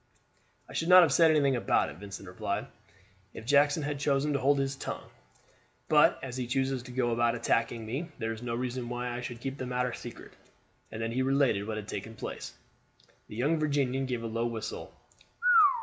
"I should not have said anything about it," Vincent replied, "if Jackson had chosen to hold his tongue; but as he chooses to go about attacking me, there is no reason why I should keep the matter secret." And he then related what had taken place. The young Virginian gave a low whistle.